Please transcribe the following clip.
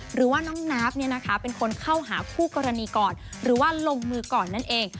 หรือว่าน้องนาฟเป็นคนเข้าหาคู่กรณีก่อนหรือว่าลงมือก่อนนั่นเอง